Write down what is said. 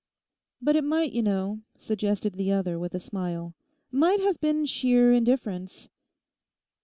'But it might, you know,' suggested the other with a smile—'might have been sheer indifference.